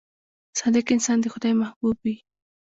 • صادق انسان د خدای محبوب وي.